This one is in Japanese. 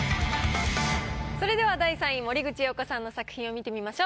それでは第３位森口瑤子さんの作品を見てみましょう。